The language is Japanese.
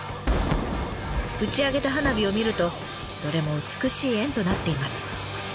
打ち上げた花火を見るとどれも美しい円となっています。